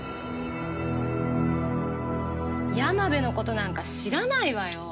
山部のことなんか知らないわよ。